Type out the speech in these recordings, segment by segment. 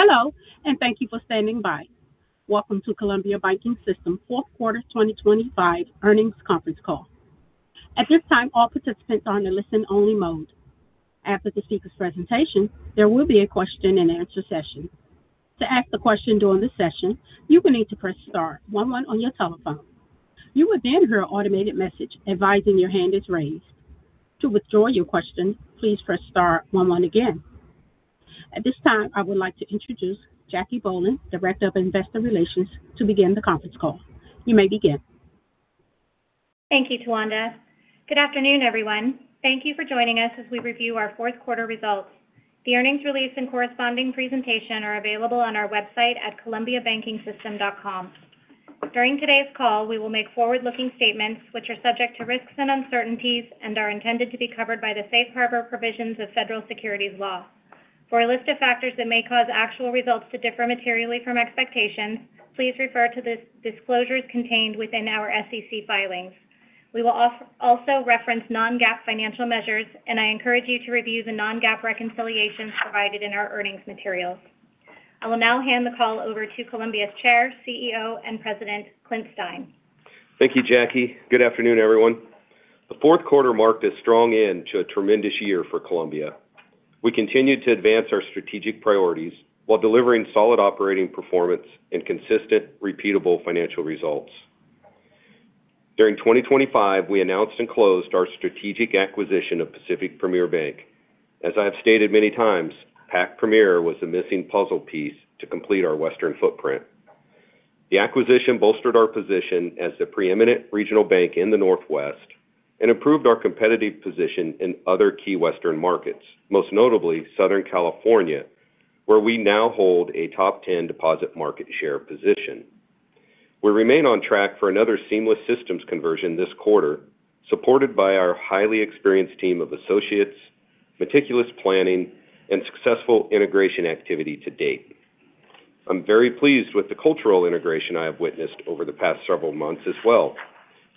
Hello, and thank you for standing by. Welcome to Columbia Banking System fourth quarter 2025 earnings conference call. At this time, all participants are in a listen-only mode. After the speaker's presentation, there will be a question-and-answer session. To ask a question during this session, you will need to press star one one on your telephone. You will then hear an automated message advising your hand is raised. To withdraw your question, please press star one one again. At this time, I would like to introduce Jacque Bohlen, Director of Investor Relations, to begin the conference call. You may begin. Thank you, Tawanda. Good afternoon, everyone. Thank you for joining us as we review our fourth quarter results. The earnings release and corresponding presentation are available on our website at columbiabankingsystem.com. During today's call, we will make forward-looking statements which are subject to risks and uncertainties and are intended to be covered by the safe harbor provisions of federal securities law. For a list of factors that may cause actual results to differ materially from expectations, please refer to the disclosures contained within our SEC filings. We will also reference non-GAAP financial measures, and I encourage you to review the non-GAAP reconciliations provided in our earnings materials. I will now hand the call over to Columbia's Chair, CEO, and President, Clint Stein. Thank you, Jacque. Good afternoon, everyone. The fourth quarter marked a strong end to a tremendous year for Columbia. We continued to advance our strategic priorities while delivering solid operating performance and consistent, repeatable financial results. During 2025, we announced and closed our strategic acquisition of Pacific Premier Bank. As I have stated many times, Pac Premier was the missing puzzle piece to complete our Western footprint. The acquisition bolstered our position as the preeminent regional bank in the Northwest and improved our competitive position in other key Western markets, most notably Southern California, where we now hold a top 10 deposit market share position. We remain on track for another seamless systems conversion this quarter, supported by our highly experienced team of associates, meticulous planning, and successful integration activity to date. I'm very pleased with the cultural integration I have witnessed over the past several months as well.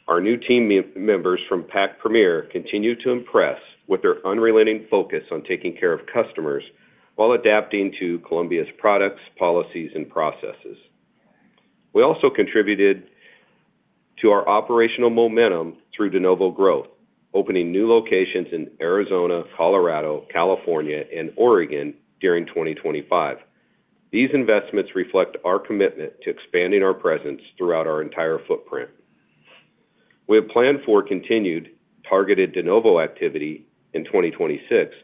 Our new team members from Pac Premier continue to impress with their unrelenting focus on taking care of customers while adapting to Columbia's products, policies, and processes. We also contributed to our operational momentum through de novo growth, opening new locations in Arizona, Colorado, California, and Oregon during 2025. These investments reflect our commitment to expanding our presence throughout our entire footprint. We have planned for continued targeted de novo activity in 2026,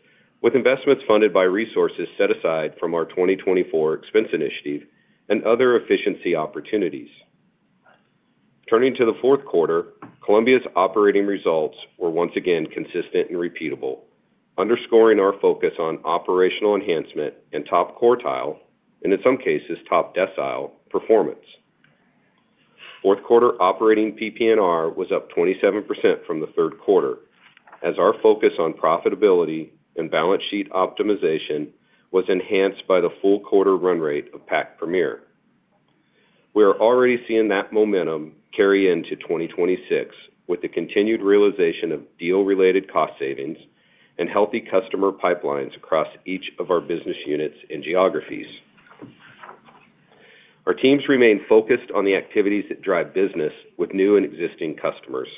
with investments funded by resources set aside from our 2024 expense initiative and other efficiency opportunities. Turning to the fourth quarter, Columbia's operating results were once again consistent and repeatable, underscoring our focus on operational enhancement and top quartile, and in some cases, top decile performance. Fourth quarter operating PPNR was up 27% from the third quarter, as our focus on profitability and balance sheet optimization was enhanced by the full quarter run rate of Pac Premier. We are already seeing that momentum carry into 2026 with the continued realization of deal-related cost savings and healthy customer pipelines across each of our business units and geographies. Our teams remain focused on the activities that drive business with new and existing customers.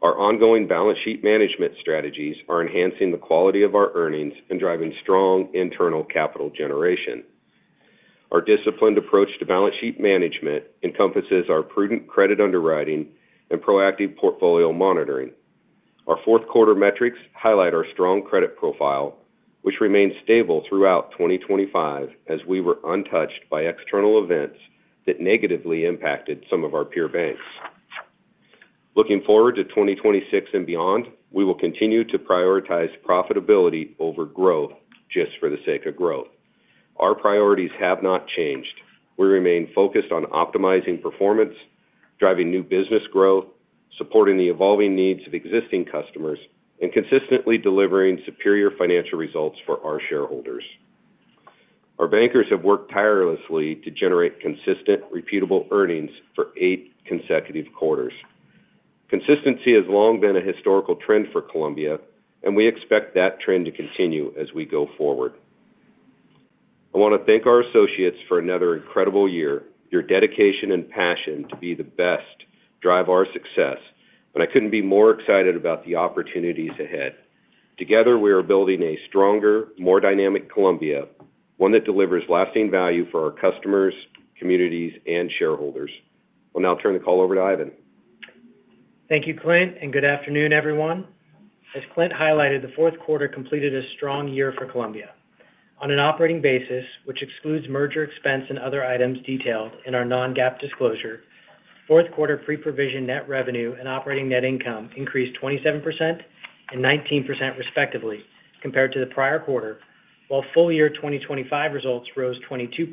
Our ongoing balance sheet management strategies are enhancing the quality of our earnings and driving strong internal capital generation. Our disciplined approach to balance sheet management encompasses our prudent credit underwriting and proactive portfolio monitoring. Our fourth quarter metrics highlight our strong credit profile, which remained stable throughout 2025 as we were untouched by external events that negatively impacted some of our peer banks. Looking forward to 2026 and beyond, we will continue to prioritize profitability over growth just for the sake of growth. Our priorities have not changed. We remain focused on optimizing performance, driving new business growth, supporting the evolving needs of existing customers, and consistently delivering superior financial results for our shareholders. Our bankers have worked tirelessly to generate consistent, repeatable earnings for eight consecutive quarters. Consistency has long been a historical trend for Columbia, and we expect that trend to continue as we go forward. I want to thank our associates for another incredible year. Your dedication and passion to be the best drive our success, and I couldn't be more excited about the opportunities ahead. Together, we are building a stronger, more dynamic Columbia, one that delivers lasting value for our customers, communities, and shareholders. I'll now turn the call over to Ivan. Thank you, Clint, and good afternoon, everyone. As Clint highlighted, the fourth quarter completed a strong year for Columbia. On an operating basis, which excludes merger expense and other items detailed in our non-GAAP disclosure, fourth quarter pre-provision net revenue and operating net income increased 27% and 19% respectively compared to the prior quarter, while full year 2025 results rose 22%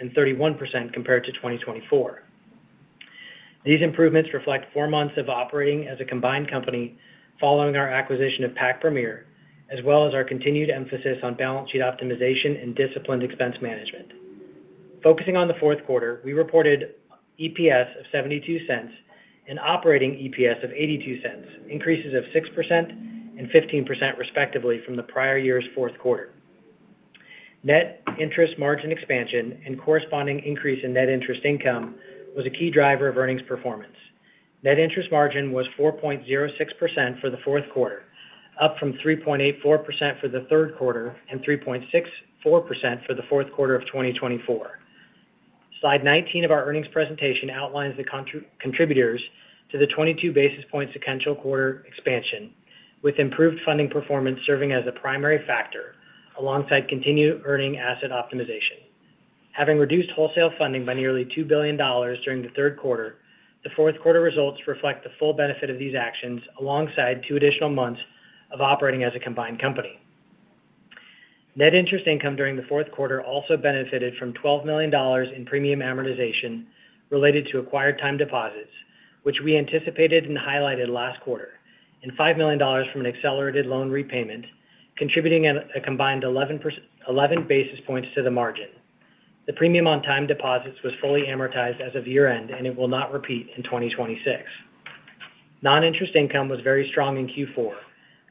and 31% compared to 2024. These improvements reflect four months of operating as a combined company following our acquisition of Pac Premier, as well as our continued emphasis on balance sheet optimization and disciplined expense management. Focusing on the fourth quarter, we reported EPS of $0.72 and operating EPS of $0.82, increases of 6% and 15% respectively from the prior year's fourth quarter. Net interest margin expansion and corresponding increase in net interest income was a key driver of earnings performance. Net interest margin was 4.06% for the fourth quarter, up from 3.84% for the third quarter and 3.64% for the fourth quarter of 2024. Slide 19 of our earnings presentation outlines the contributors to the 22 basis points potential quarter expansion, with improved funding performance serving as a primary factor alongside continued earning asset optimization. Having reduced wholesale funding by nearly $2 billion during the third quarter, the fourth quarter results reflect the full benefit of these actions alongside two additional months of operating as a combined company. Net interest income during the fourth quarter also benefited from $12 million in premium amortization related to acquired time deposits, which we anticipated and highlighted last quarter, and $5 million from an accelerated loan repayment, contributing a combined 11 basis points to the margin. The premium on time deposits was fully amortized as of year-end, and it will not repeat in 2026. Non-interest income was very strong in Q4,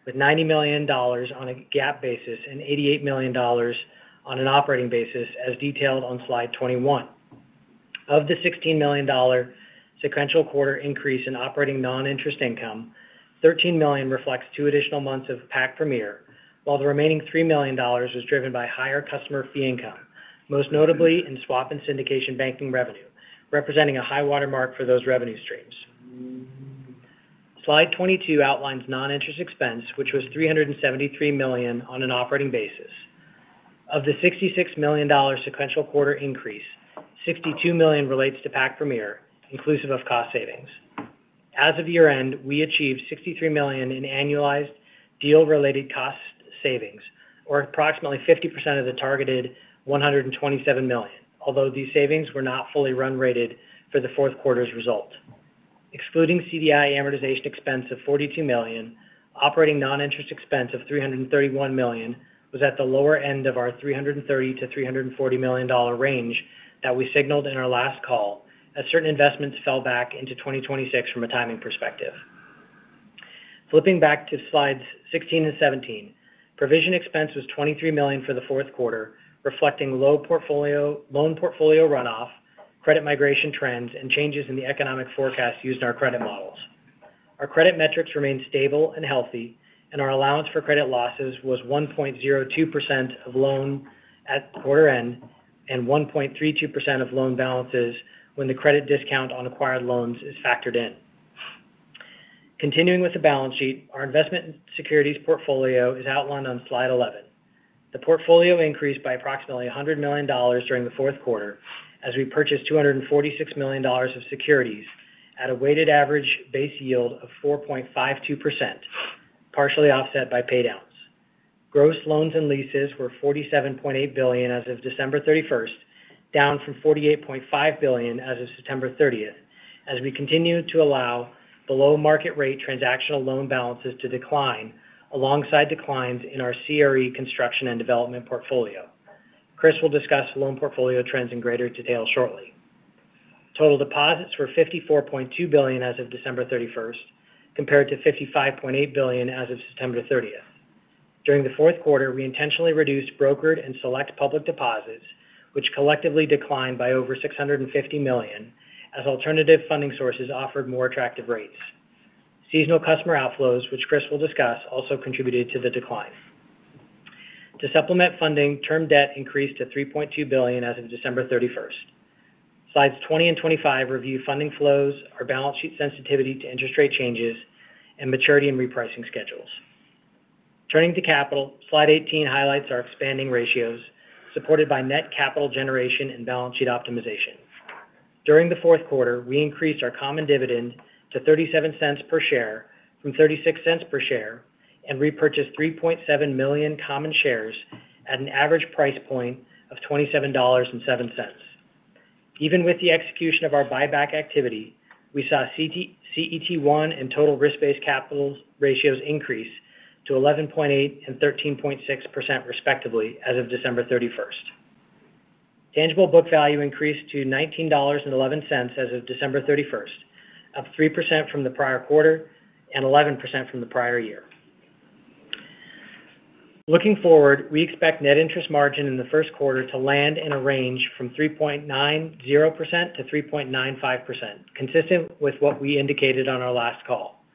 with $90 million on a GAAP basis and $88 million on an operating basis, as detailed on slide 21. Of the $16 million sequential quarter increase in operating non-interest income, $13 million reflects two additional months of Pac Premier, while the remaining $3 million was driven by higher customer fee income, most notably in swap and syndication banking revenue, representing a high watermark for those revenue streams. Slide 22 outlines non-interest expense, which was $373 million on an operating basis. Of the $66 million sequential quarter increase, $62 million relates to Pac Premier, inclusive of cost savings. As of year-end, we achieved $63 million in annualized deal-related cost savings, or approximately 50% of the targeted $127 million, although these savings were not fully run rated for the fourth quarter's result. Excluding CDI amortization expense of $42 million, operating non-interest expense of $331 million was at the lower end of our $330-$340 million range that we signaled in our last call, as certain investments fell back into 2026 from a timing perspective. Flipping back to slides 16 and 17, provision expense was $23 million for the fourth quarter, reflecting low loan portfolio runoff, credit migration trends, and changes in the economic forecast used in our credit models. Our credit metrics remained stable and healthy, and our allowance for credit losses was 1.02% of loan at quarter-end and 1.32% of loan balances when the credit discount on acquired loans is factored in. Continuing with the balance sheet, our investment securities portfolio is outlined on slide 11. The portfolio increased by approximately $100 million during the fourth quarter, as we purchased $246 million of securities at a weighted average base yield of 4.52%, partially offset by paydowns. Gross loans and leases were $47.8 billion as of December 31st, down from $48.5 billion as of September 30th, as we continue to allow below-market-rate transactional loan balances to decline, alongside declines in our CRE construction and development portfolio. Chris will discuss loan portfolio trends in greater detail shortly. Total deposits were $54.2 billion as of December 31st, compared to $55.8 billion as of September 30th. During the fourth quarter, we intentionally reduced brokered and select public deposits, which collectively declined by over $650 million, as alternative funding sources offered more attractive rates. Seasonal customer outflows, which Chris will discuss, also contributed to the decline. To supplement funding, term debt increased to $3.2 billion as of December 31st. Slides 20 and 25 review funding flows, our balance sheet sensitivity to interest rate changes, and maturity and repricing schedules. Turning to capital, slide 18 highlights our expanding ratios, supported by net capital generation and balance sheet optimization. During the fourth quarter, we increased our common dividend to $0.37 per share from $0.36 per share and repurchased 3.7 million common shares at an average price point of $27.07. Even with the execution of our buyback activity, we saw CET1 and total risk-based capital ratios increase to 11.8% and 13.6% respectively as of December 31st. Tangible book value increased to $19.11 as of December 31st, up 3% from the prior quarter and 11% from the prior year. Looking forward, we expect net interest margin in the first quarter to land in a range from 3.90%-3.95%, consistent with what we indicated on our last call.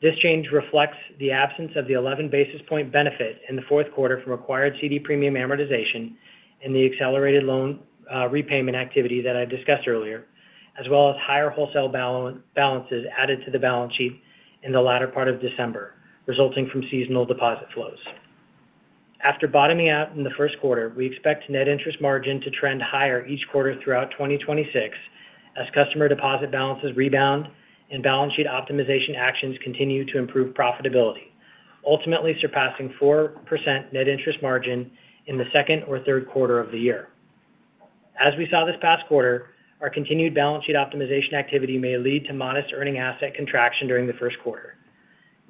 This change reflects the absence of the 11 basis point benefit in the fourth quarter from acquired CD premium amortization and the accelerated loan repayment activity that I discussed earlier, as well as higher wholesale balances added to the balance sheet in the latter part of December, resulting from seasonal deposit flows. After bottoming out in the first quarter, we expect net interest margin to trend higher each quarter throughout 2026, as customer deposit balances rebound and balance sheet optimization actions continue to improve profitability, ultimately surpassing 4% net interest margin in the second or third quarter of the year. As we saw this past quarter, our continued balance sheet optimization activity may lead to modest earning asset contraction during the first quarter.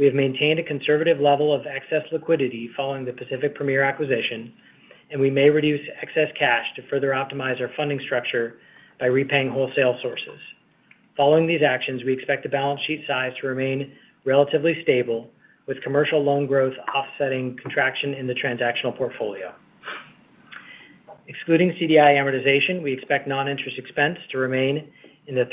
We have maintained a conservative level of excess liquidity following the Pacific Premier acquisition, and we may reduce excess cash to further optimize our funding structure by repaying wholesale sources. Following these actions, we expect the balance sheet size to remain relatively stable, with commercial loan growth offsetting contraction in the transactional portfolio. Excluding CDI amortization, we expect non-interest expense to remain in the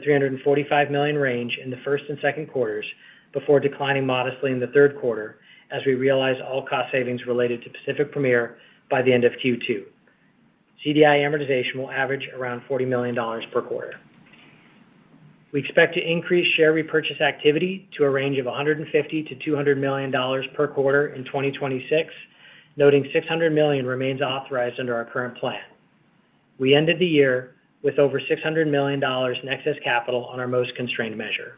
$335-$345 million range in the first and second quarters before declining modestly in the third quarter, as we realize all cost savings related to Pacific Premier by the end of Q2. CDI amortization will average around $40 million per quarter. We expect to increase share repurchase activity to a range of $150-$200 million per quarter in 2026, noting $600 million remains authorized under our current plan. We ended the year with over $600 million in excess capital on our most constrained measure.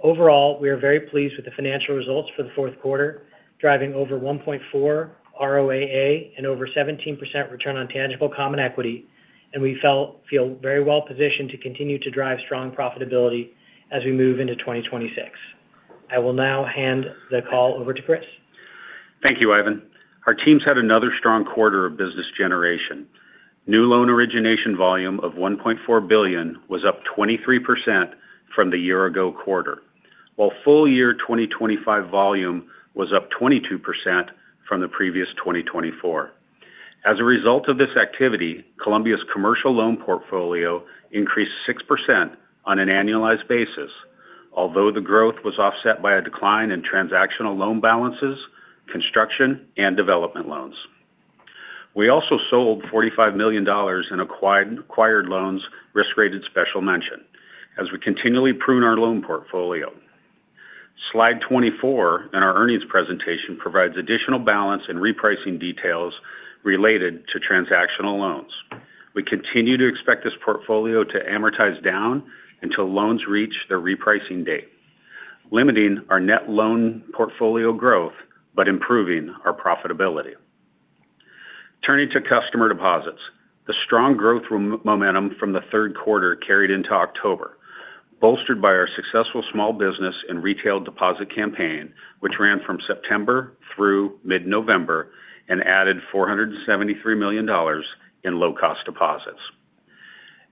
Overall, we are very pleased with the financial results for the fourth quarter, driving over 1.4 ROAA and over 17% return on tangible common equity, and we feel very well positioned to continue to drive strong profitability as we move into 2026. I will now hand the call over to Chris. Thank you, Ivan. Our teams had another strong quarter of business generation. New loan origination volume of $1.4 billion was up 23% from the year-ago quarter, while full year 2025 volume was up 22% from the previous 2024. As a result of this activity, Columbia's commercial loan portfolio increased 6% on an annualized basis, although the growth was offset by a decline in transactional loan balances, construction, and development loans. We also sold $45 million in acquired loans risk-rated Special Mention, as we continually prune our loan portfolio. Slide 24 in our earnings presentation provides additional balance and repricing details related to transactional loans. We continue to expect this portfolio to amortize down until loans reach their repricing date, limiting our net loan portfolio growth but improving our profitability. Turning to customer deposits, the strong growth momentum from the third quarter carried into October, bolstered by our successful small business and retail deposit campaign, which ran from September through mid-November and added $473 million in low-cost deposits.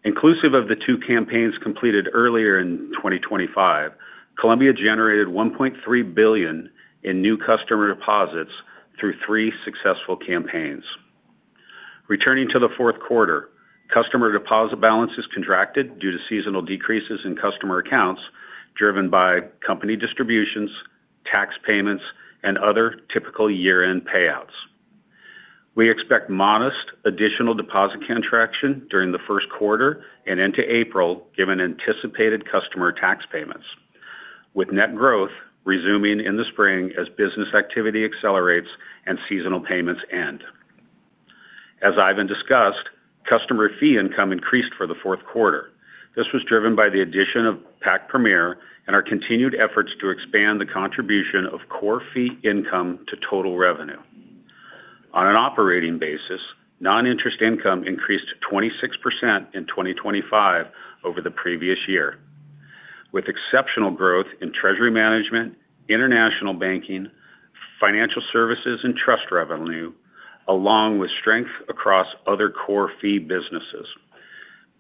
Inclusive of the two campaigns completed earlier in 2025, Columbia generated $1.3 billion in new customer deposits through three successful campaigns. Returning to the fourth quarter, customer deposit balances contracted due to seasonal decreases in customer accounts driven by company distributions, tax payments, and other typical year-end payouts. We expect modest additional deposit contraction during the first quarter and into April, given anticipated customer tax payments, with net growth resuming in the spring as business activity accelerates and seasonal payments end. As Ivan discussed, customer fee income increased for the fourth quarter. This was driven by the addition of Pac Premier and our continued efforts to expand the contribution of core fee income to total revenue. On an operating basis, non-interest income increased 26% in 2025 over the previous year, with exceptional growth in treasury management, international banking, financial services, and trust revenue, along with strength across other core fee businesses.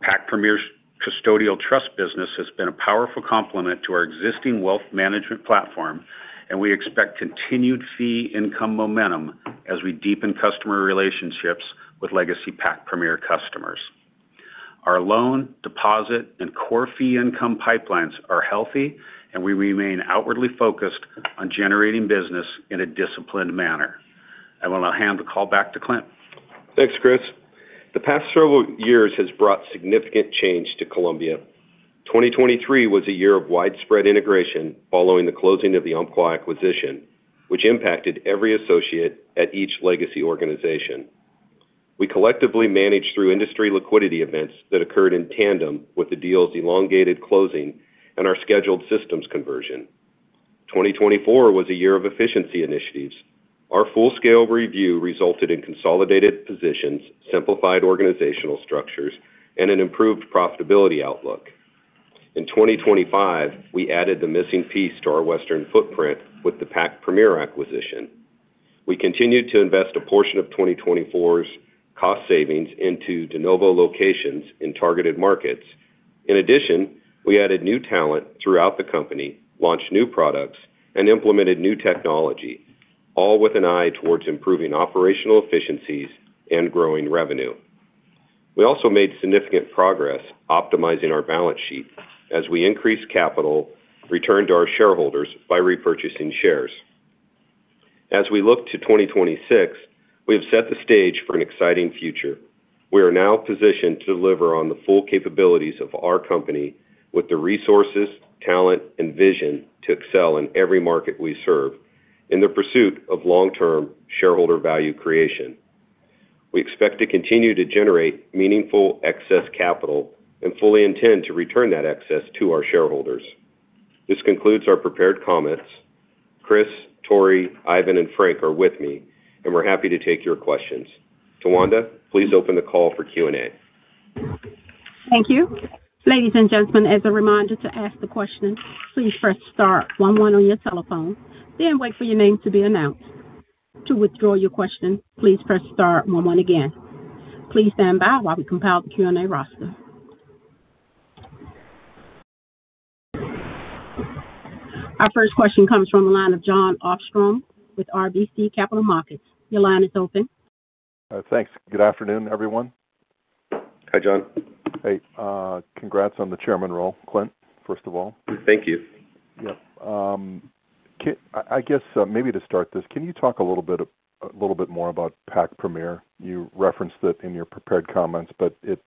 Pac Premier's custodial trust business has been a powerful complement to our existing wealth management platform, and we expect continued fee income momentum as we deepen customer relationships with legacy Pac Premier customers. Our loan, deposit, and core fee income pipelines are healthy, and we remain outwardly focused on generating business in a disciplined manner. I will now hand the call back to Clint. Thanks, Chris. The past several years have brought significant change to Columbia. 2023 was a year of widespread integration following the closing of the Umpqua acquisition, which impacted every associate at each legacy organization. We collectively managed through industry liquidity events that occurred in tandem with the deal's elongated closing and our scheduled systems conversion. 2024 was a year of efficiency initiatives. Our full-scale review resulted in consolidated positions, simplified organizational structures, and an improved profitability outlook. In 2025, we added the missing piece to our Western footprint with the Pac Premier acquisition. We continued to invest a portion of 2024's cost savings into de novo locations in targeted markets. In addition, we added new talent throughout the company, launched new products, and implemented new technology, all with an eye toward improving operational efficiencies and growing revenue. We also made significant progress optimizing our balance sheet as we increased capital, returned to our shareholders by repurchasing shares. As we look to 2026, we have set the stage for an exciting future. We are now positioned to deliver on the full capabilities of our company with the resources, talent, and vision to excel in every market we serve in the pursuit of long-term shareholder value creation. We expect to continue to generate meaningful excess capital and fully intend to return that excess to our shareholders. This concludes our prepared comments. Chris, Tory, Ivan, and Frank are with me, and we're happy to take your questions. Tawanda, please open the call for Q&A. Thank you. Ladies and gentlemen, as a reminder to ask the question, please press star one one on your telephone, then wait for your name to be announced. To withdraw your question, please press star one one again. Please stand by while we compile the Q&A roster. Our first question comes from the line of Jon Arfstrom with RBC Capital Markets. Your line is open. Thanks. Good afternoon, everyone. Hi, John. Hey. Congrats on the chairman role, Clint, first of all. Thank you. Yeah. I guess maybe to start this, can you talk a little bit more about Pac Premier? You referenced it in your prepared comments, but it's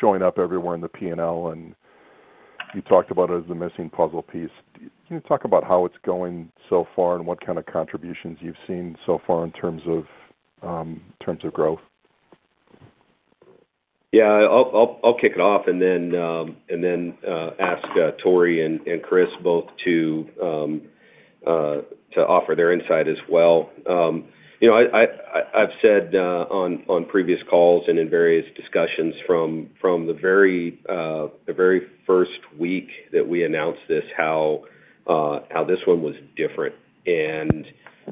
showing up everywhere in the P&L, and you talked about it as the missing puzzle piece. Can you talk about how it's going so far and what kind of contributions you've seen so far in terms of growth? Yeah. I'll kick it off and then ask Tory and Chris both to offer their insight as well. I've said on previous calls and in various discussions from the very first week that we announced this, how this one was different and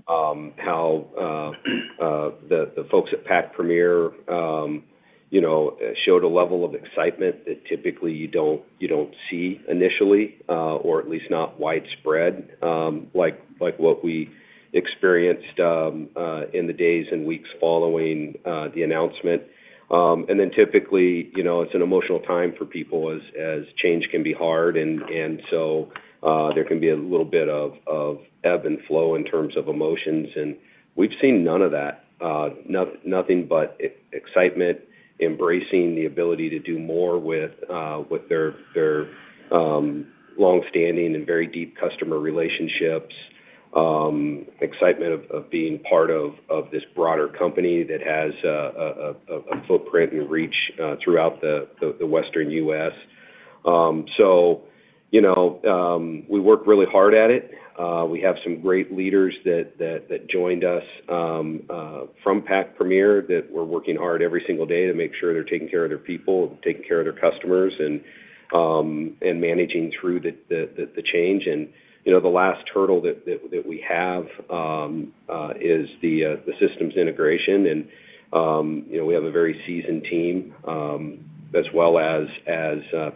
how the folks at Pac Premier showed a level of excitement that typically you don't see initially, or at least not widespread, like what we experienced in the days and weeks following the announcement. And then typically, it's an emotional time for people, as change can be hard, and so there can be a little bit of ebb and flow in terms of emotions. And we've seen none of that, nothing but excitement, embracing the ability to do more with their long-standing and very deep customer relationships, excitement of being part of this broader company that has a footprint and reach throughout the Western U.S. We work really hard at it. We have some great leaders that joined us from Pac Premier that we're working hard every single day to make sure they're taking care of their people, taking care of their customers, and managing through the change. The last hurdle that we have is the systems integration. We have a very seasoned team, as well as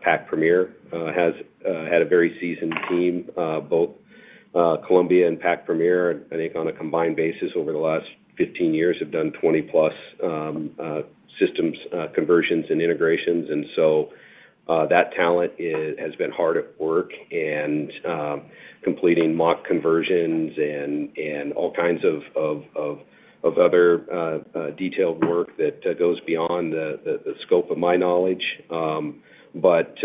Pac Premier has had a very seasoned team. Both Columbia and Pac Premier, I think on a combined basis over the last 15 years, have done 20+ systems conversions and integrations. That talent has been hard at work and completing mock conversions and all kinds of other detailed work that goes beyond the scope of my knowledge. But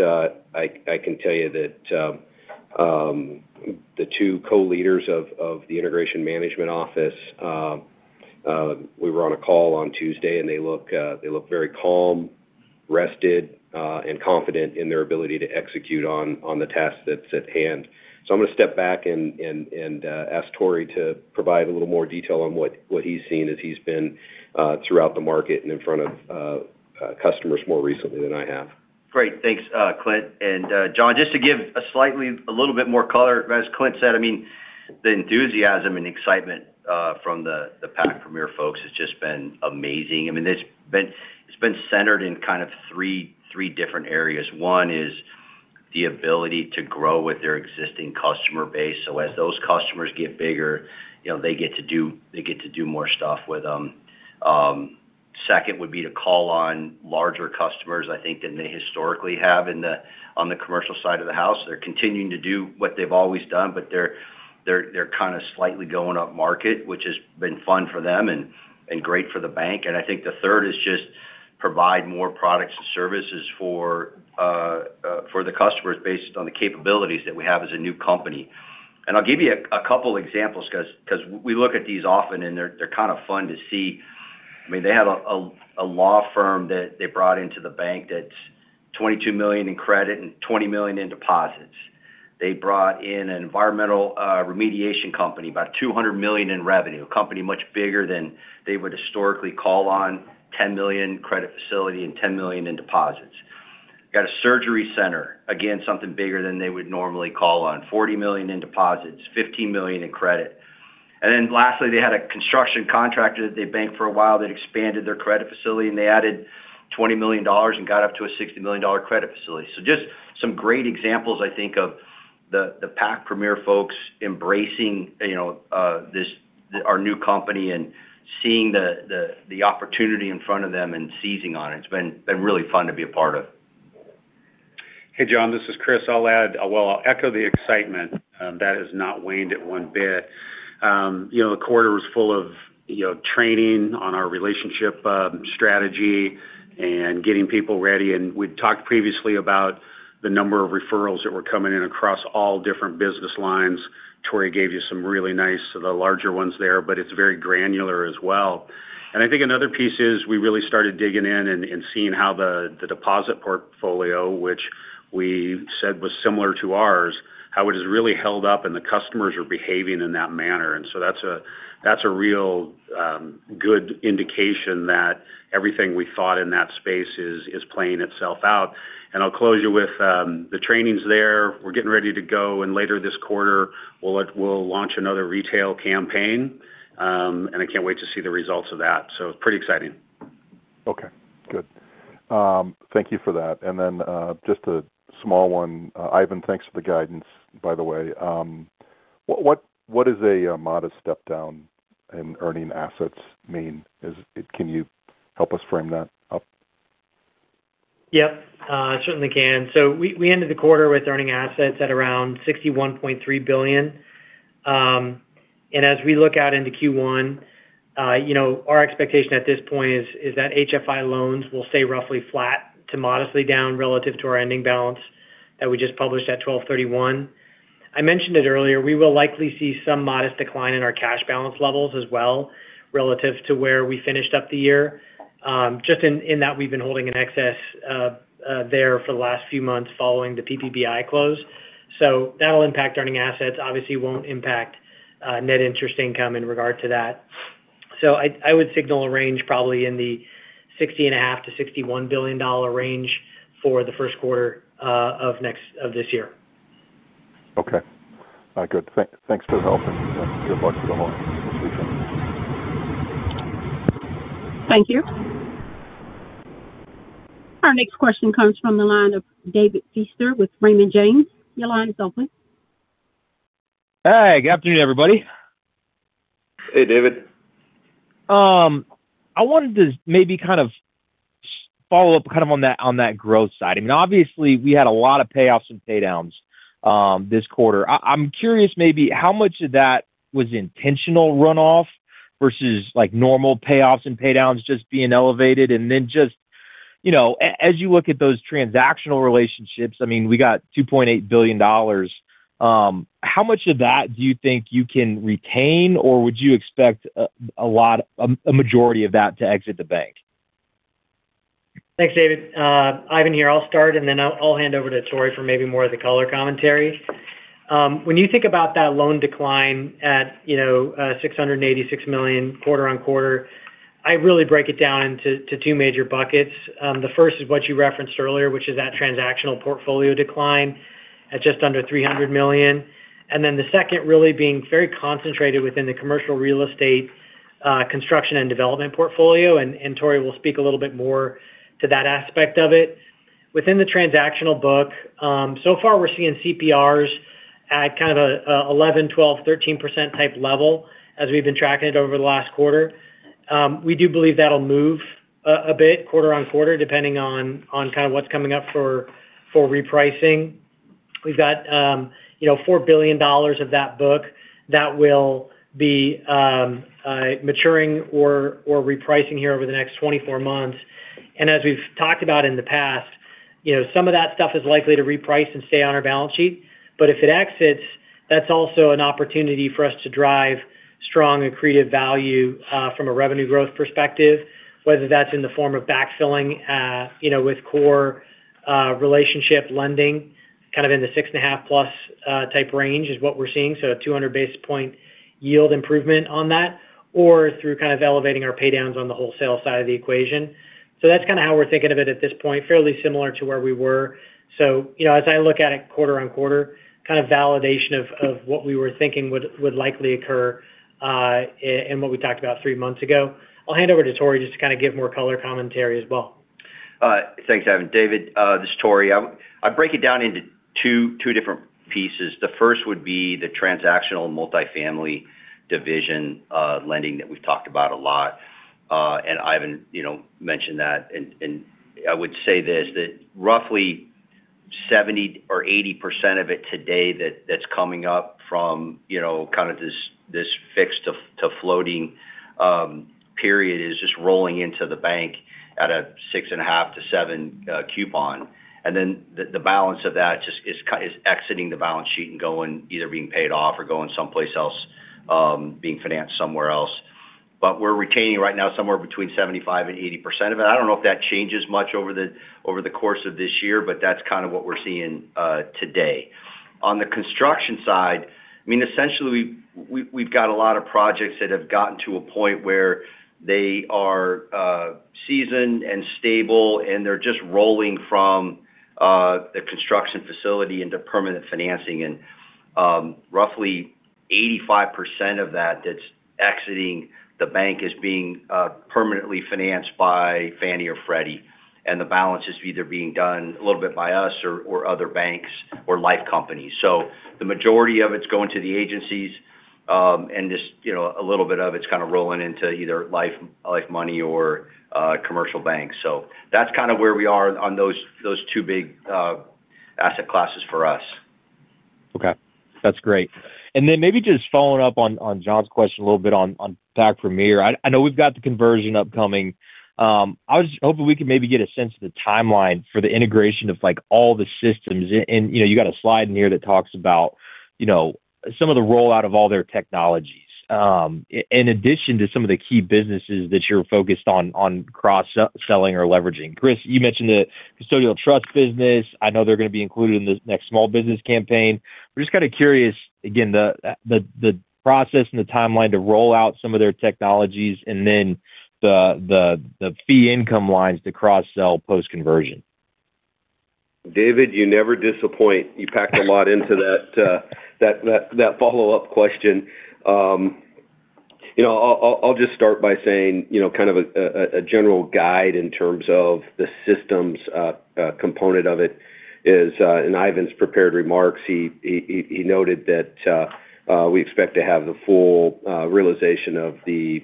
I can tell you that the two co-leaders of the integration management office, we were on a call on Tuesday, and they look very calm, rested, and confident in their ability to execute on the task that's at hand. So I'm going to step back and ask Tory to provide a little more detail on what he's seen as he's been throughout the market and in front of customers more recently than I have. Great. Thanks, Clint. And John, just to give a slightly a little bit more color, as Clint said, I mean, the enthusiasm and excitement from the Pac Premier folks has just been amazing. I mean, it's been centered in kind of three different areas. One is the ability to grow with their existing customer base. So as those customers get bigger, they get to do more stuff with them. Second would be to call on larger customers, I think, than they historically have on the commercial side of the house. They're continuing to do what they've always done, but they're kind of slightly going up market, which has been fun for them and great for the bank. And I think the third is just provide more products and services for the customers based on the capabilities that we have as a new company. I'll give you a couple of examples because we look at these often, and they're kind of fun to see. I mean, they had a law firm that they brought into the bank that's $22 million in credit and $20 million in deposits. They brought in an environmental remediation company, about $200 million in revenue, a company much bigger than they would historically call on, $10 million in credit facility and $10 million in deposits. They got a surgery center, again, something bigger than they would normally call on, $40 million in deposits, $15 million in credit. And then lastly, they had a construction contractor that they banked for a while that expanded their credit facility, and they added $20 million and got up to a $60 million credit facility. So just some great examples, I think, of the Pac Premier folks embracing our new company and seeing the opportunity in front of them and seizing on it. It's been really fun to be a part of. Hey, John, this is Chris. I'll add, well, I'll echo the excitement. That has not waned at one bit. The quarter was full of training on our relationship strategy and getting people ready. We'd talked previously about the number of referrals that were coming in across all different business lines. Tory gave you some really nice of the larger ones there, but it's very granular as well. I think another piece is we really started digging in and seeing how the deposit portfolio, which we said was similar to ours, how it has really held up, and the customers are behaving in that manner. So that's a real good indication that everything we thought in that space is playing itself out. I'll close you with the trainings there. We're getting ready to go. Later this quarter, we'll launch another retail campaign, and I can't wait to see the results of that. It's pretty exciting. Okay. Good. Thank you for that. And then just a small one, Ivan, thanks for the guidance, by the way. What does a modest step down in earning assets mean? Can you help us frame that up? Yep. I certainly can. So we ended the quarter with earning assets at around $61.3 billion. And as we look out into Q1, our expectation at this point is that HFI loans will stay roughly flat to modestly down relative to our ending balance that we just published at 12/31. I mentioned it earlier. We will likely see some modest decline in our cash balance levels as well relative to where we finished up the year, just in that we've been holding in excess there for the last few months following the PPBI close. So that'll impact earning assets. Obviously, it won't impact net interest income in regard to that. So I would signal a range probably in the $60.5-$61 billion range for the first quarter of this year. Okay. Good. Thanks for the help. Good luck with the lawn this weekend. Thank you. Our next question comes from the line of David Feaster with Raymond James. Your line is open. Hey. Good afternoon, everybody. Hey, David. I wanted to maybe kind of follow up kind of on that growth side. I mean, obviously, we had a lot of payoffs and paydowns this quarter. I'm curious maybe how much of that was intentional runoff versus normal payoffs and paydowns just being elevated. And then just as you look at those transactional relationships, I mean, we got $2.8 billion. How much of that do you think you can retain, or would you expect a majority of that to exit the bank? Thanks, David. Ivan here. I'll start, and then I'll hand over to Tory for maybe more of the color commentary. When you think about that loan decline at $686 million quarter on quarter, I really break it down into two major buckets. The first is what you referenced earlier, which is that transactional portfolio decline at just under $300 million. And then the second really being very concentrated within the commercial real estate construction and development portfolio. And Tory will speak a little bit more to that aspect of it. Within the transactional book, so far, we're seeing CPRs at kind of an 11%, 12%, 13% type level as we've been tracking it over the last quarter. We do believe that'll move a bit quarter on quarter depending on kind of what's coming up for repricing. We've got $4 billion of that book that will be maturing or repricing here over the next 24 months, and as we've talked about in the past, some of that stuff is likely to reprice and stay on our balance sheet. But if it exits, that's also an opportunity for us to drive strong accretive value from a revenue growth perspective, whether that's in the form of backfilling with core relationship lending kind of in the six and a half plus type range is what we're seeing. So a 200 basis point yield improvement on that or through kind of elevating our paydowns on the wholesale side of the equation. So that's kind of how we're thinking of it at this point, fairly similar to where we were. So as I look at it quarter on quarter, kind of validation of what we were thinking would likely occur and what we talked about three months ago. I'll hand over to Tory just to kind of give more color commentary as well. Thanks, Ivan. David, this is Tory. I break it down into two different pieces. The first would be the transactional multifamily division lending that we've talked about a lot. And Ivan mentioned that. And I would say this, that roughly 70% or 80% of it today that's coming up from kind of this fixed to floating period is just rolling into the bank at a 6.5 to 7 coupon. And then the balance of that is exiting the balance sheet and going either being paid off or going someplace else, being financed somewhere else. But we're retaining right now somewhere between 75% and 80% of it. I don't know if that changes much over the course of this year, but that's kind of what we're seeing today. On the construction side, I mean, essentially, we've got a lot of projects that have gotten to a point where they are seasoned and stable, and they're just rolling from the construction facility into permanent financing, and roughly 85% of that that's exiting the bank is being permanently financed by Fannie or Freddie, and the balance is either being done a little bit by us or other banks or life companies, so the majority of it's going to the agencies, and just a little bit of it's kind of rolling into either life companies or commercial banks, so that's kind of where we are on those two big asset classes for us. Okay. That's great. And then maybe just following up on John's question a little bit on Pac Premier. I know we've got the conversion upcoming. I was hoping we could maybe get a sense of the timeline for the integration of all the systems. And you got a slide in here that talks about some of the rollout of all their technologies in addition to some of the key businesses that you're focused on cross-selling or leveraging. Chris, you mentioned the custodial trust business. I know they're going to be included in this next small business campaign. We're just kind of curious, again, the process and the timeline to roll out some of their technologies and then the fee income lines to cross-sell post-conversion. David, you never disappoint. You packed a lot into that follow-up question. I'll just start by saying kind of a general guide in terms of the systems component of it is in Ivan's prepared remarks. He noted that we expect to have the full realization of the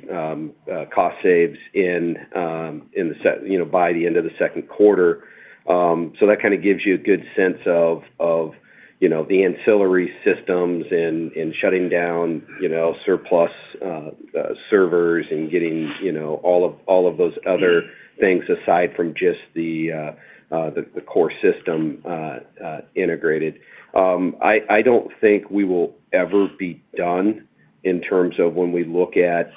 cost saves in by the end of the second quarter, so that kind of gives you a good sense of the ancillary systems and shutting down surplus servers and getting all of those other things aside from just the core system integrated. I don't think we will ever be done in terms of when we look at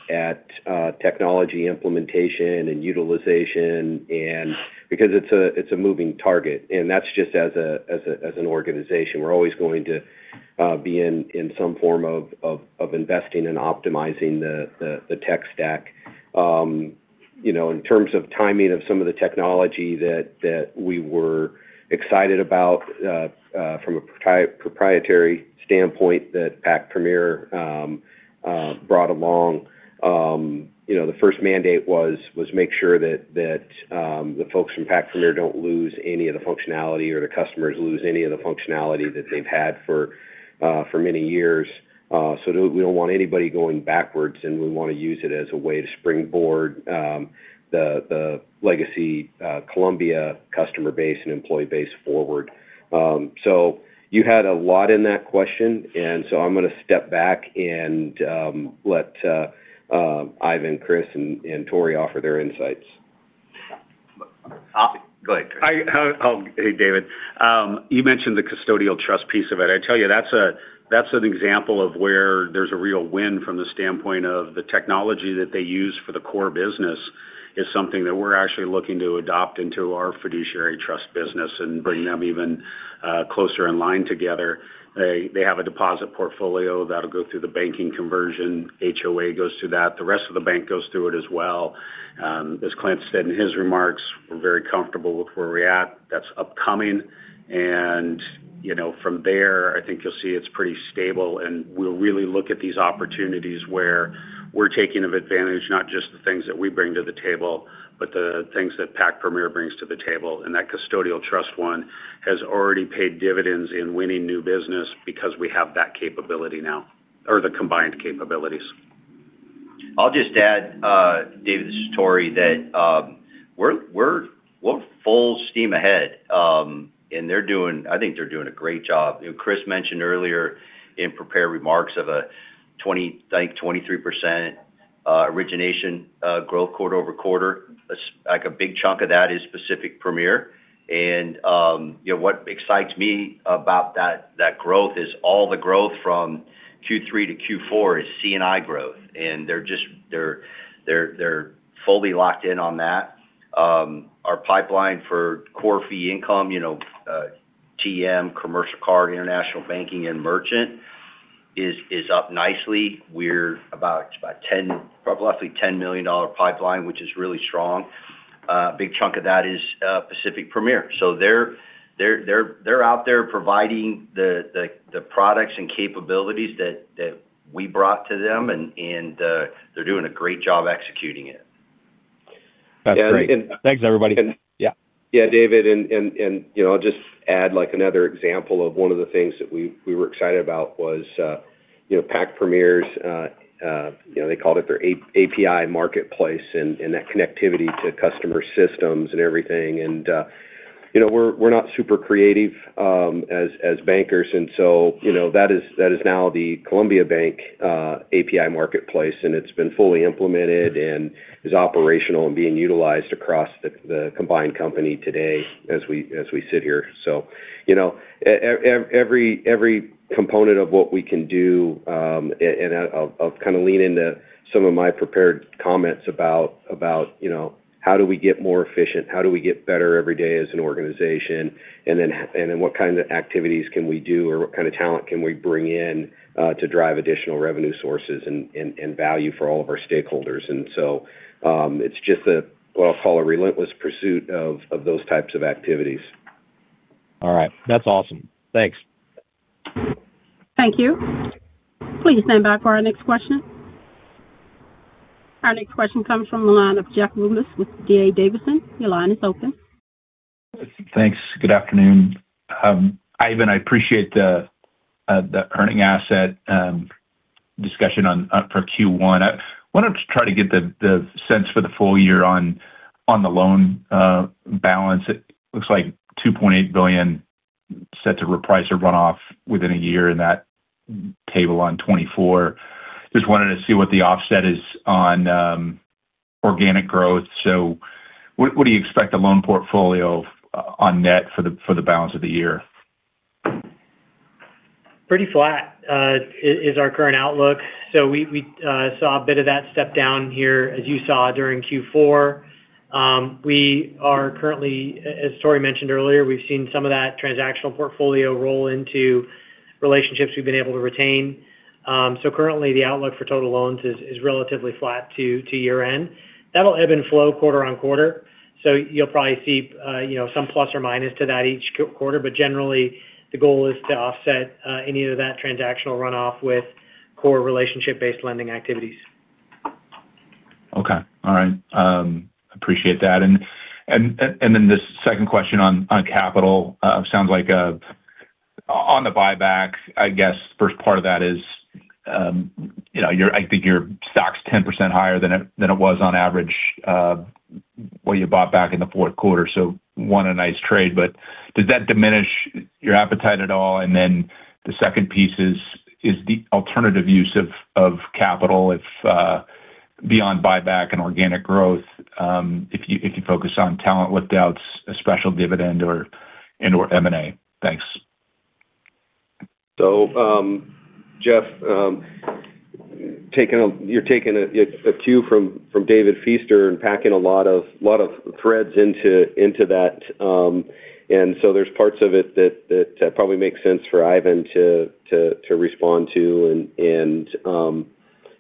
technology implementation and utilization because it's a moving target, and that's just as an organization. We're always going to be in some form of investing and optimizing the tech stack. In terms of timing of some of the technology that we were excited about from a proprietary standpoint that Pac Premier brought along, the first mandate was to make sure that the folks from Pac Premier don't lose any of the functionality or the customers lose any of the functionality that they've had for many years. So we don't want anybody going backwards, and we want to use it as a way to springboard the legacy Columbia customer base and employee base forward. So you had a lot in that question, and so I'm going to step back and let Ivan, Chris, and Tory offer their insights. Go ahead, Chris. Hey, David. You mentioned the custodial trust piece of it. I tell you, that's an example of where there's a real win from the standpoint of the technology that they use for the core business is something that we're actually looking to adopt into our fiduciary trust business and bring them even closer in line together. They have a deposit portfolio that'll go through the banking conversion. HOA goes through that. The rest of the bank goes through it as well. As Clint said in his remarks, we're very comfortable with where we're at. That's upcoming. From there, I think you'll see it's pretty stable. We'll really look at these opportunities where we're taking advantage, not just the things that we bring to the table, but the things that Pac Premier brings to the table. That custodial trust one has already paid dividends in winning new business because we have that capability now or the combined capabilities. I'll just add, David, this is Tory, that we're full steam ahead, and I think they're doing a great job. Chris mentioned earlier in prepared remarks of a 20%, I think 23% origination growth quarter-over-quarter. A big chunk of that is Pacific Premier. And what excites me about that growth is all the growth from Q3 to Q4 is C&I growth. And they're fully locked in on that. Our pipeline for core fee income, TM, commercial card, international banking, and merchant is up nicely. We're about a roughly $10 million pipeline, which is really strong. A big chunk of that is Pacific Premier. So they're out there providing the products and capabilities that we brought to them, and they're doing a great job executing it. That's great. Thanks, everybody. Yeah. Yeah, David, and I'll just add another example of one of the things that we were excited about was Pac Premier's. They called it their API marketplace and that connectivity to customer systems and everything, and we're not super creative as bankers, and so that is now the Columbia Bank API marketplace, and it's been fully implemented and is operational and being utilized across the combined company today as we sit here, so every component of what we can do, and I'll kind of lean into some of my prepared comments about how do we get more efficient, how do we get better every day as an organization, and then what kind of activities can we do or what kind of talent can we bring in to drive additional revenue sources and value for all of our stakeholders. And so it's just what I'll call a relentless pursuit of those types of activities. All right. That's awesome. Thanks. Thank you. Please stand by for our next question. Our next question comes from the line of Jeff Rulis with DA Davidson. Your line is open. Thanks. Good afternoon. Ivan, I appreciate the earning assets discussion for Q1. I wanted to try to get the sense for the full year on the loan balance. It looks like $2.8 billion set to reprice or runoff within a year in that table on 2024. Just wanted to see what the offset is on organic growth. So what do you expect the loan portfolio on net for the balance of the year? Pretty flat is our current outlook. So we saw a bit of that step down here, as you saw during Q4. As Tory mentioned earlier, we've seen some of that transactional portfolio roll into relationships we've been able to retain. So currently, the outlook for total loans is relatively flat to year-end. That'll ebb and flow quarter on quarter. So you'll probably see some plus or minus to that each quarter. But generally, the goal is to offset any of that transactional runoff with core relationship-based lending activities. Okay. All right. Appreciate that. And then this second question on capital sounds like on the buyback. I guess the first part of that is I think your stock's 10% higher than it was on average what you bought back in the fourth quarter. So won a nice trade. But does that diminish your appetite at all? And then the second piece is the alternative use of capital beyond buyback and organic growth if you focus on talent lift-outs, a special dividend, and/or M&A. Thanks. So Jeff, you're taking a cue from David Feaster and packing a lot of threads into that. And so there's parts of it that probably make sense for Ivan to respond to.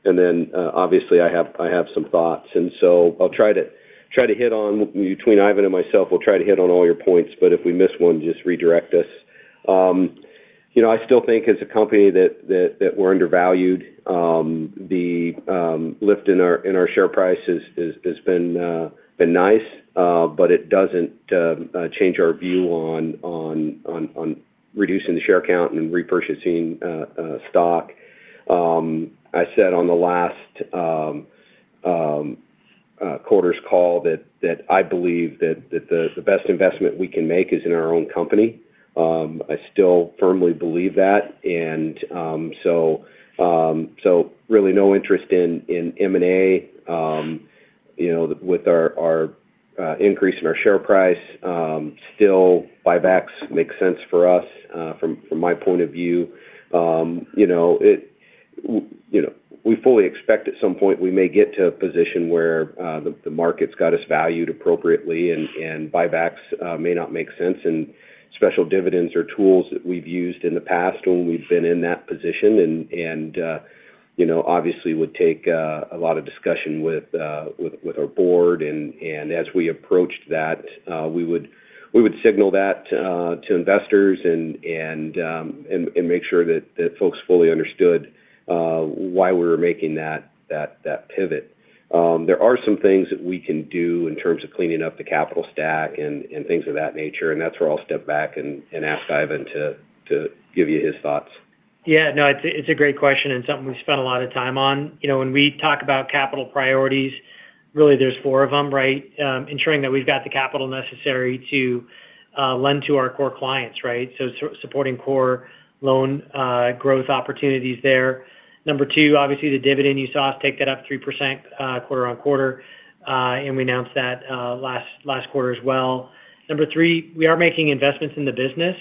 And then obviously, I have some thoughts. And so I'll try to hit on between Ivan and myself, we'll try to hit on all your points. But if we miss one, just redirect us. I still think as a company that we're undervalued, the lift in our share price has been nice, but it doesn't change our view on reducing the share count and repurchasing stock. I said on the last quarter's call that I believe that the best investment we can make is in our own company. I still firmly believe that. And so really no interest in M&A with our increase in our share price. Still, buybacks make sense for us from my point of view. We fully expect at some point we may get to a position where the market's got us valued appropriately, and buybacks may not make sense. And special dividends are tools that we've used in the past when we've been in that position and obviously would take a lot of discussion with our board. And as we approached that, we would signal that to investors and make sure that folks fully understood why we were making that pivot. There are some things that we can do in terms of cleaning up the capital stack and things of that nature. And that's where I'll step back and ask Ivan to give you his thoughts. Yeah. No, it's a great question and something we spend a lot of time on. When we talk about capital priorities, really there's four of them, right? Ensuring that we've got the capital necessary to lend to our core clients, right? So supporting core loan growth opportunities there. Number two, obviously the dividend you saw us take that up 3% quarter on quarter. And we announced that last quarter as well. Number three, we are making investments in the business.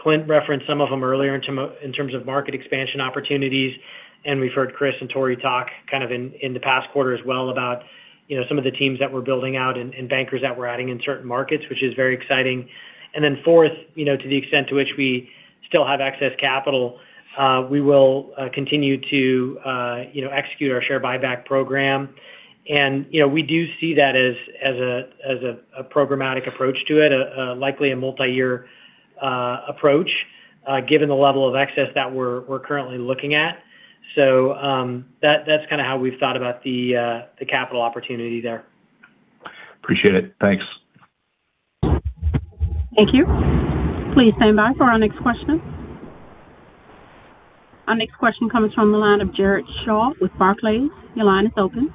Clint referenced some of them earlier in terms of market expansion opportunities. And we've heard Chris and Tory talk kind of in the past quarter as well about some of the teams that we're building out and bankers that we're adding in certain markets, which is very exciting. And then fourth, to the extent to which we still have excess capital, we will continue to execute our share buyback program. And we do see that as a programmatic approach to it, likely a multi-year approach given the level of excess that we're currently looking at. So that's kind of how we've thought about the capital opportunity there. Appreciate it. Thanks. Thank you. Please stand by for our next question. Our next question comes from the line of Jared Shaw with Barclays. Your line is open.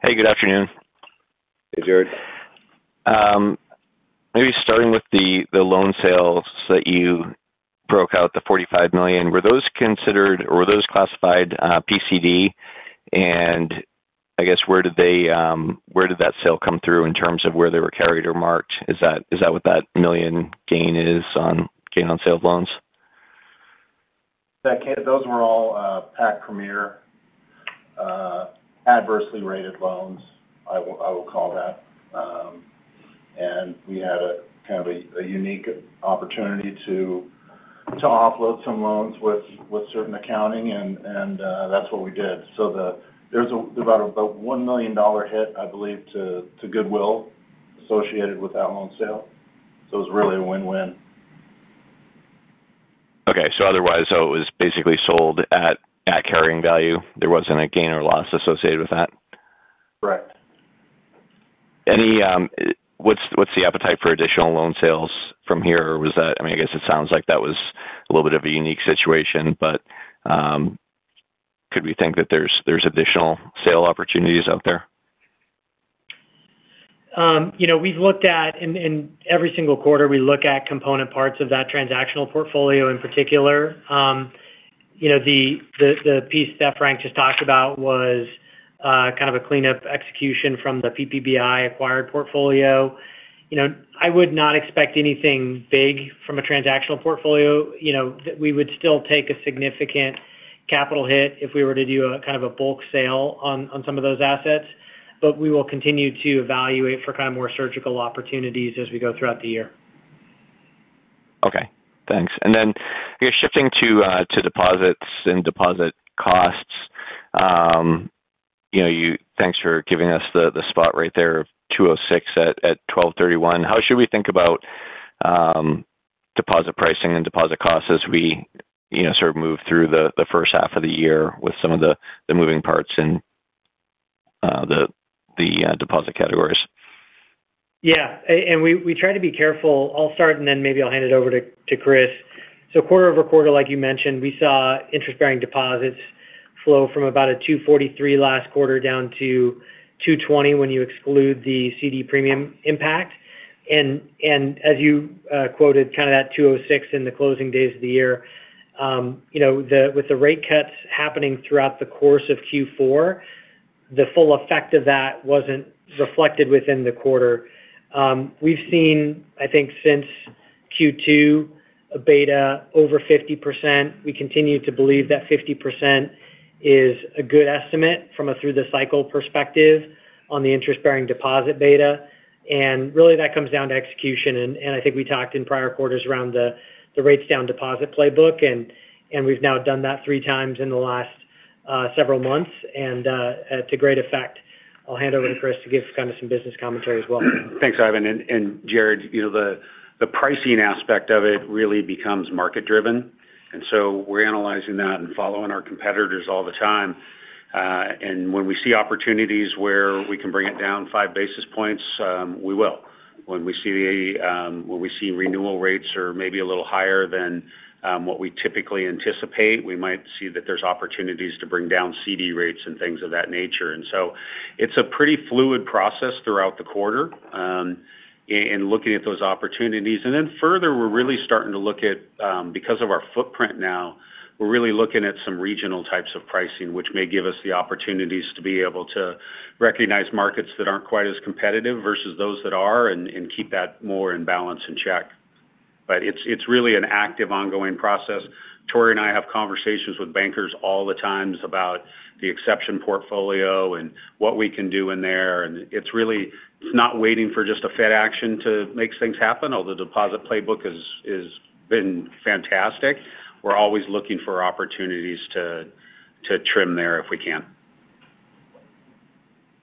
Hey, good afternoon. Hey, Jared. Maybe starting with the loan sales that you broke out, the $45 million, were those considered or were those classified PCD? I guess where did that sale come through in terms of where they were carried or marked? Is that what that $1 million gain is on gain on sale of loans? Those were all Pac Premier adversely rated loans, I will call that. And we had kind of a unique opportunity to offload some loans with certain accounting, and that's what we did. So there's about a $1 million hit, I believe, to goodwill associated with that loan sale. So it was really a win-win. Okay. So otherwise, it was basically sold at carrying value. There wasn't a gain or loss associated with that? Correct. What's the appetite for additional loan sales from here? I mean, I guess it sounds like that was a little bit of a unique situation, but could we think that there's additional sale opportunities out there? We've looked at, and every single quarter we look at component parts of that transactional portfolio in particular. The piece that Frank just talked about was kind of a cleanup execution from the PPBI acquired portfolio. I would not expect anything big from a transactional portfolio. We would still take a significant capital hit if we were to do kind of a bulk sale on some of those assets. But we will continue to evaluate for kind of more surgical opportunities as we go throughout the year. Okay. Thanks. And then shifting to deposits and deposit costs, thanks for giving us the spot right there of 2.06% at 12/31. How should we think about deposit pricing and deposit costs as we sort of move through the first half of the year with some of the moving parts in the deposit categories? Yeah. And we try to be careful. I'll start, and then maybe I'll hand it over to Chris. So quarter over quarter, like you mentioned, we saw interest-bearing deposits flow from about a 2.43% last quarter down to 2.20% when you exclude the CD premium impact. And as you quoted kind of that 2.06% in the closing days of the year, with the rate cuts happening throughout the course of Q4, the full effect of that wasn't reflected within the quarter. We've seen, I think since Q2, a beta over 50%. We continue to believe that 50% is a good estimate from a through-the-cycle perspective on the interest-bearing deposit beta. And really, that comes down to execution. And I think we talked in prior quarters around the rates down deposit playbook. And we've now done that three times in the last several months and to great effect. I'll hand over to Chris to give kind of some business commentary as well. Thanks, Ivan. And Jared, the pricing aspect of it really becomes market-driven. And so we're analyzing that and following our competitors all the time. And when we see opportunities where we can bring it down five basis points, we will. When we see renewal rates are maybe a little higher than what we typically anticipate, we might see that there's opportunities to bring down CD rates and things of that nature. And so it's a pretty fluid process throughout the quarter in looking at those opportunities. And then further, we're really starting to look at, because of our footprint now, we're really looking at some regional types of pricing, which may give us the opportunities to be able to recognize markets that aren't quite as competitive versus those that are and keep that more in balance and check. But it's really an active, ongoing process. Tory and I have conversations with bankers all the time about the exception portfolio and what we can do in there, and it's not waiting for just a Fed action to make things happen, although the deposit playbook has been fantastic. We're always looking for opportunities to trim there if we can.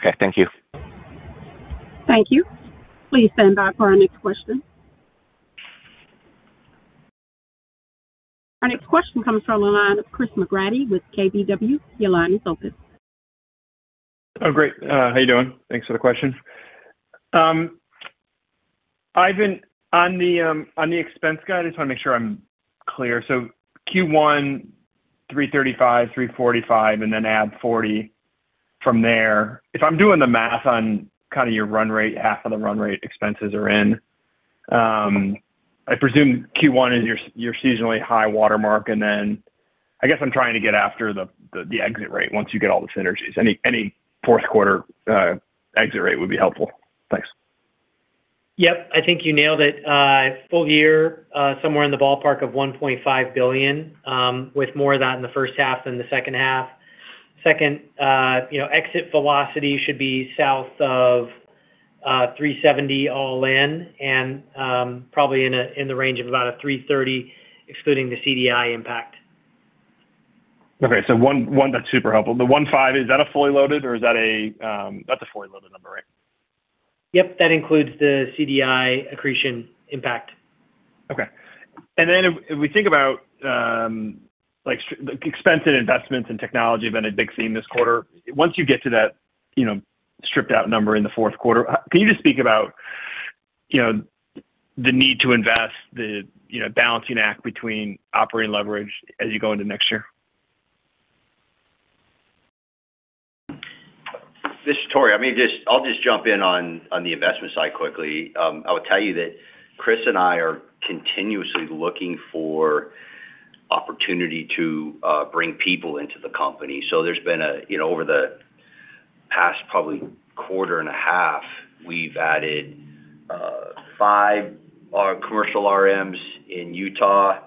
Okay. Thank you. Thank you. Please stand by for our next question. Our next question comes from the line of Chris McGratty with KBW. Your line is open. Oh, great. How are you doing? Thanks for the question. Ivan, on the expense guide, I just want to make sure I'm clear. So Q1, 335, 345, and then add 40 from there. If I'm doing the math on kind of your run rate, half of the run rate expenses are in. I presume Q1 is your seasonally high watermark, and then I guess I'm trying to get after the exit rate once you get all the synergies. Any fourth quarter exit rate would be helpful. Thanks. Yep. I think you nailed it. Full year, somewhere in the ballpark of $1.5 billion with more of that in the first half than the second half. Second, exit velocity should be south of 370 all in and probably in the range of about a 330 excluding the CDI impact. Okay. So one that's super helpful. The 15, is that a fully loaded or is that a fully loaded number, right? Yep. That includes the CDI accretion impact. Okay. And then if we think about expensive investments and technology have been a big theme this quarter, once you get to that stripped out number in the fourth quarter, can you just speak about the need to invest, the balancing act between operating leverage as you go into next year? This is Tory. I mean, I'll just jump in on the investment side quickly. I will tell you that Chris and I are continuously looking for opportunity to bring people into the company. So there's been over the past probably quarter and a half, we've added five commercial RMs in Utah,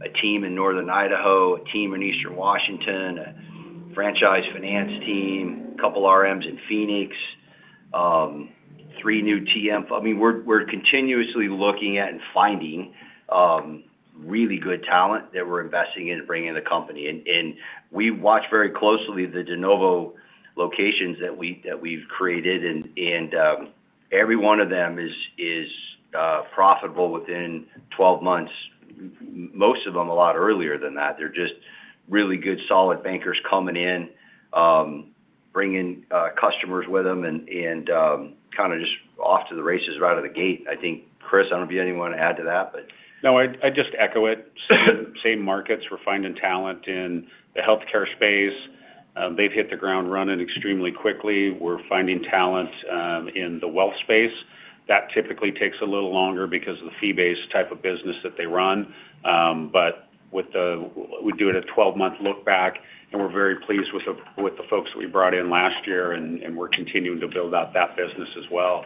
a team in Northern Idaho, a team in Eastern Washington, a franchise finance team, a couple of RMs in Phoenix, three new TM. I mean, we're continuously looking at and finding really good talent that we're investing in bringing to the company, and we watch very closely the de novo locations that we've created, and every one of them is profitable within 12 months, most of them a lot earlier than that. They're just really good solid bankers coming in, bringing customers with them and kind of just off to the races right out of the gate. I think, Chris, I don't know if you have anything to add to that, but. No, I just echo it. Same markets. We're finding talent in the healthcare space. They've hit the ground running extremely quickly. We're finding talent in the wealth space. That typically takes a little longer because of the fee-based type of business that they run. But we do it at a 12-month lookback, and we're very pleased with the folks that we brought in last year, and we're continuing to build out that business as well.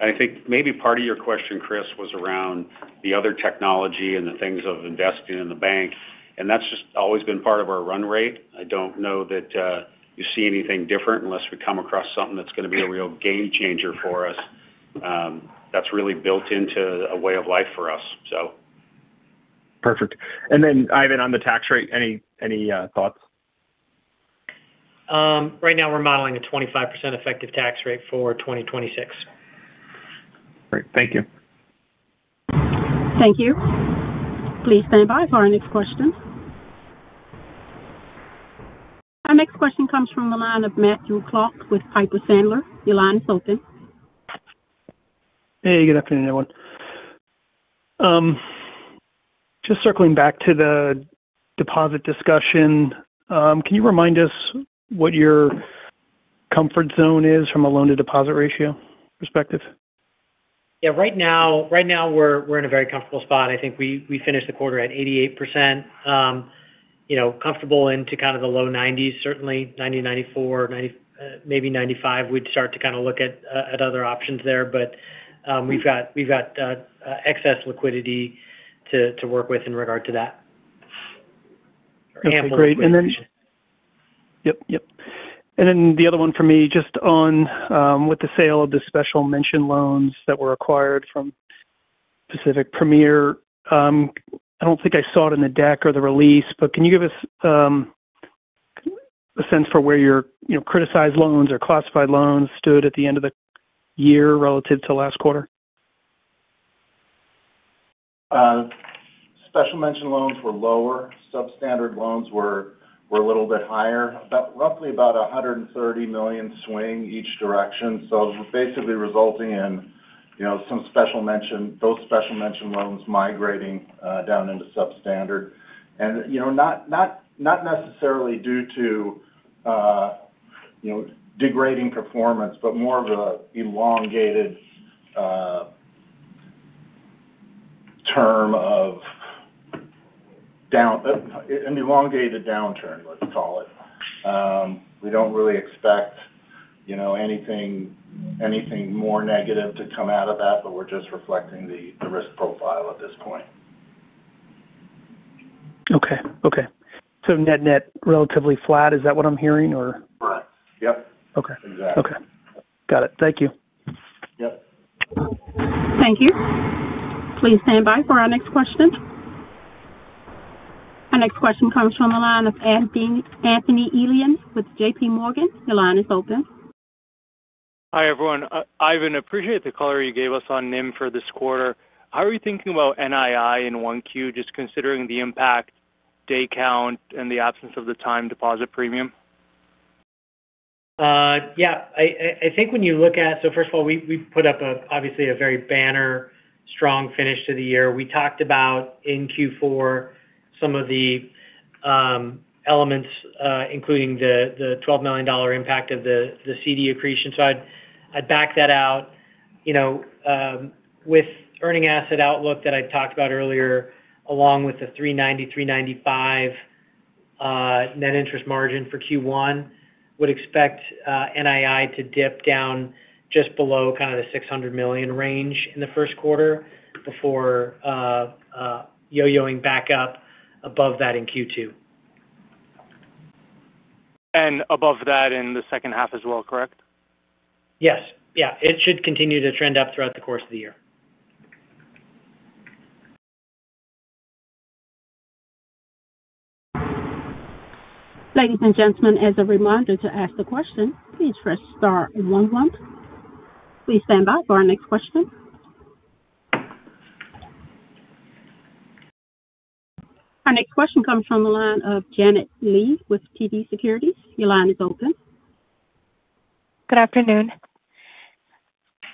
And I think maybe part of your question, Chris, was around the other technology and the things of investing in the bank. And that's just always been part of our run rate. I don't know that you see anything different unless we come across something that's going to be a real game changer for us. That's really built into a way of life for us, so. Perfect. And then, Ivan, on the tax rate, any thoughts? Right now, we're modeling a 25% effective tax rate for 2026. Great. Thank you. Thank you. Please stand by for our next question. Our next question comes from the line of Matthew Clark with Piper Sandler. Please go ahead. Hey, good afternoon, everyone. Just circling back to the deposit discussion, can you remind us what your comfort zone is from a loan-to-deposit ratio perspective? Yeah. Right now, we're in a very comfortable spot. I think we finished the quarter at 88%, comfortable into kind of the low 90s, certainly 90%, 94%, maybe 95%. We'd start to kind of look at other options there, but we've got excess liquidity to work with in regard to that. Okay. Great. And then yep, yep. And then the other one for me, just on with the sale of the special mention loans that were acquired from Pacific Premier. I don't think I saw it in the deck or the release, but can you give us a sense for where your criticized loans or classified loans stood at the end of the year relative to last quarter? Special mention loans were lower. Substandard loans were a little bit higher, roughly about a $130 million swing each direction. So basically resulting in some special mention, those special mention loans migrating down into substandard. And not necessarily due to degrading performance, but more of an elongated term of an elongated downturn, let's call it. We don't really expect anything more negative to come out of that, but we're just reflecting the risk profile at this point. Okay. Okay, so net-net relatively flat, is that what I'm hearing, or? Correct. Yep. Exactly. Okay. Got it. Thank you. Yep. Thank you. Please stand by for our next question. Our next question comes from the line of Anthony Elian with JPMorgan. Please go ahead. Hi everyone. Ivan, appreciate the color you gave us on NIM for this quarter. How are you thinking about NII and 1Q, just considering the impact, day count, and the absence of the time deposit premium? Yeah. I think when you look at so first of all, we put up obviously a very banner-strong finish to the year. We talked about in Q4 some of the elements, including the $12 million impact of the CD accretion. So I'd back that out with earning asset outlook that I talked about earlier, along with the 390-395 net interest margin for Q1. Would expect NII to dip down just below kind of the $600 million range in the first quarter before yo-yoing back up above that in Q2. And above that in the second half as well, correct? Yes. Yeah. It should continue to trend up throughout the course of the year. Ladies and gentlemen, as a reminder, to ask a question, please press star, then one. Please stand by for our next question. Our next question comes from the line of Janet Lee with TD Securities. Please go ahead. Good afternoon.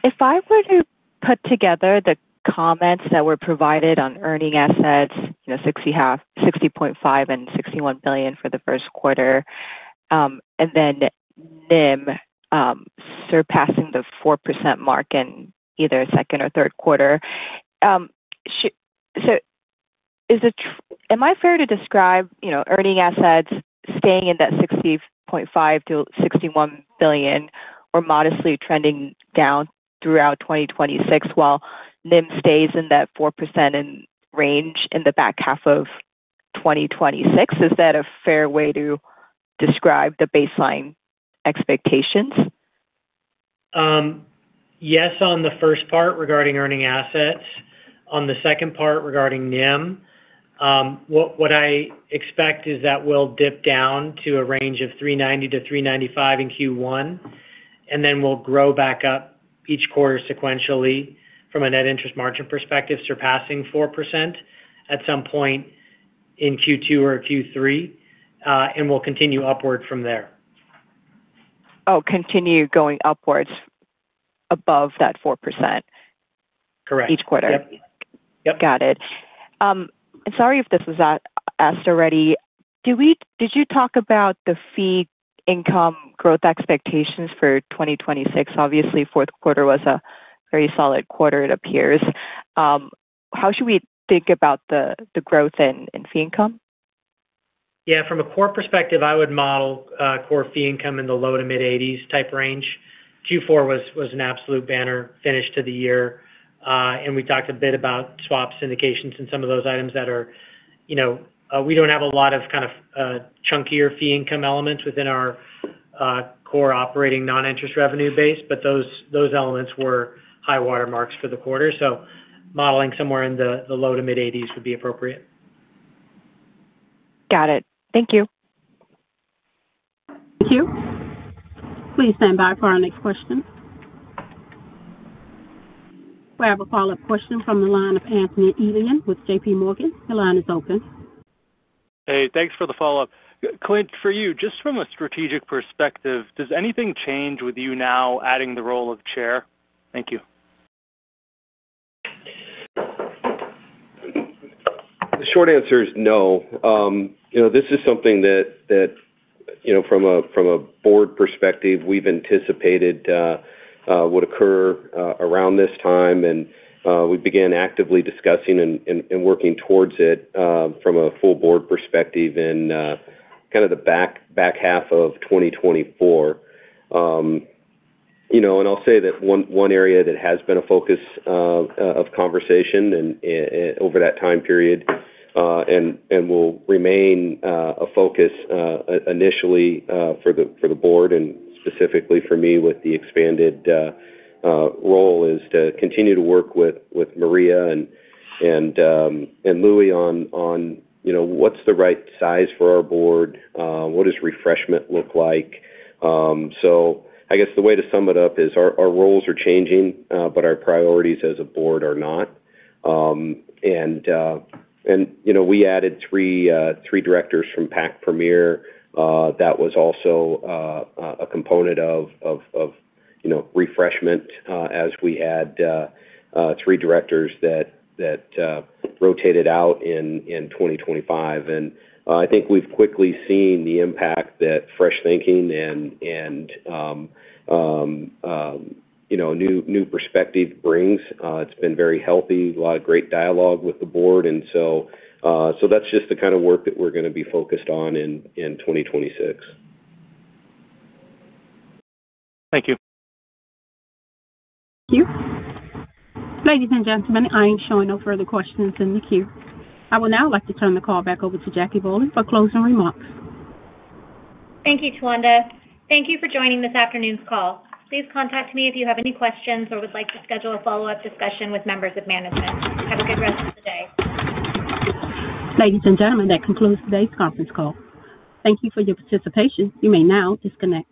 If I were to put together the comments that were provided on earning assets, $60.5 billion and $61 billion for the first quarter, and then NIM surpassing the 4% mark in either second or third quarter, so am I fair to describe earning assets staying in that $60.5-$61 billion or modestly trending down throughout 2026 while NIM stays in that 4% range in the back half of 2026? Is that a fair way to describe the baseline expectations? Yes, on the first part regarding earning assets. On the second part regarding NIM, what I expect is that we'll dip down to a range of 390-395 in Q1, and then we'll grow back up each quarter sequentially from a net interest margin perspective, surpassing 4% at some point in Q2 or Q3, and we'll continue upward from there. Oh, continue going upwards above that 4% each quarter. Correct. Yep. Yep. Got it. And sorry if this was asked already. Did you talk about the fee income growth expectations for 2026? Obviously, fourth quarter was a very solid quarter, it appears. How should we think about the growth in fee income? Yeah. From a core perspective, I would model core fee income in the low-to-mid 80s type range. Q4 was an absolute banner finish to the year. And we talked a bit about swap syndications and some of those items that we don't have a lot of kind of chunkier fee income elements within our core operating non-interest revenue base, but those elements were high watermarks for the quarter. So modeling somewhere in the low-to-mid 80s would be appropriate. Got it. Thank you. Thank you. Please stand by for our next question. We have a follow-up question from the line of Anthony Elian with J.P. Morgan. You're line is open. Hey, thanks for the follow-up. Clint, for you, just from a strategic perspective, does anything change with you now adding the role of Chair? Thank you. The short answer is no. This is something that, from a board perspective, we've anticipated would occur around this time, and we began actively discussing and working towards it from a full board perspective in kind of the back half of 2024. And I'll say that one area that has been a focus of conversation over that time period and will remain a focus initially for the board and specifically for me with the expanded role is to continue to work with Maria and Luis on what's the right size for our board, what does refreshment look like. So I guess the way to sum it up is our roles are changing, but our priorities as a board are not. And we added three directors from Pac Premier. That was also a component of refreshment as we had three directors that rotated out in 2025. And I think we've quickly seen the impact that fresh thinking and new perspective brings. It's been very healthy, a lot of great dialogue with the board. And so that's just the kind of work that we're going to be focused on in 2026. Thank you. Thank you. Ladies and gentlemen, I am showing no further questions in the queue. I would now like to turn the call back over to Jackie Bohlen for closing remarks. Thank you, Tawanda. Thank you for joining this afternoon's call. Please contact me if you have any questions or would like to schedule a follow-up discussion with members of management. Have a good rest of the day. Ladies and gentlemen, that concludes today's conference call. Thank you for your participation. You may now disconnect.